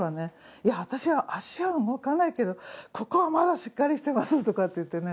「いや私は足は動かないけどここはまだしっかりしてます」とかって言ってね